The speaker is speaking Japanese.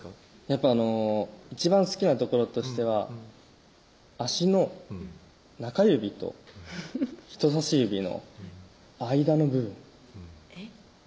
やっぱ一番好きな所としては足の中指と人さし指の間の部分えっ？